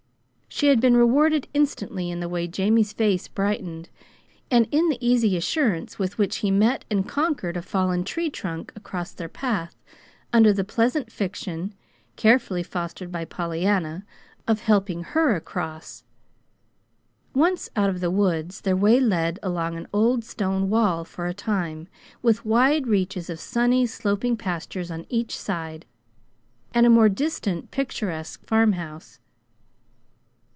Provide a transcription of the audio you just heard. She had been rewarded instantly in the way Jamie's face brightened, and in the easy assurance with which he met and conquered a fallen tree trunk across their path, under the pleasant fiction (carefully fostered by Pollyanna) of "helping her across." Once out of the woods, their way led along an old stone wall for a time, with wide reaches of sunny, sloping pastures on each side, and a more distant picturesque farmhouse.